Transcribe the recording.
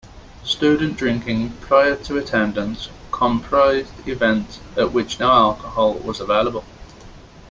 Student drinking, prior to attendance, compromised events at which no alcohol was available...